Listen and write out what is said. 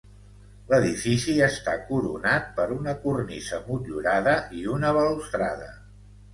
L'edifici està coronat per una cornisa motllurada i una balustrada.